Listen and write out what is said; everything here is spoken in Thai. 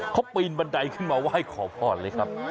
เขาปีนบันไดขึ้นมาไหว้ขอพรเลยครับ